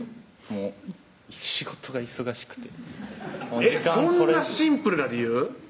もう仕事が忙しくてえっそんなシンプルな理由？